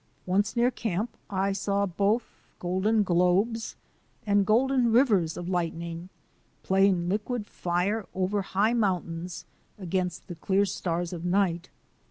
Once near camp I saw both golden globes and golden rivers of lightning playing liquid fire over high mountains against the clear stars of night.